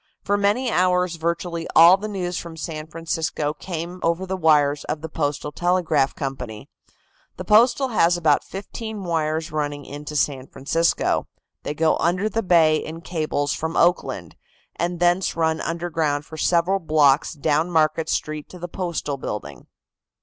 For many hours virtually all the news from San Francisco came over the wires of the Postal Telegraph Company. The Postal has about fifteen wires running into San Francisco. They go under the bay in cables from Oakland, and thence run underground for several blocks down Market Street to the Postal building.